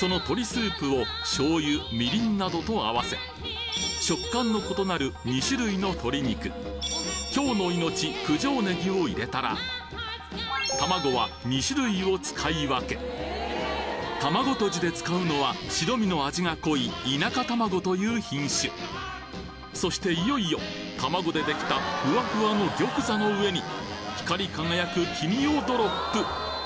スープを醤油みりんなどと合わせ食感の異なる２種類の鶏肉京の命九条ねぎを入れたら卵は２種類を使い分け卵とじで使うのは白身の味が濃い田舎卵という品種そしていよいよ卵でできたふわふわの玉座の上に光り輝く黄身をドロップ